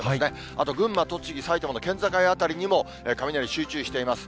あと、群馬、栃木、埼玉の県境辺りにも雷、集中しています。